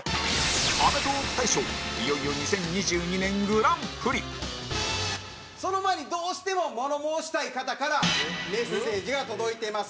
アメトーーク大賞いよいよ２０２２年グランプリその前に、どうしても物申したい方からメッセージが届いてます。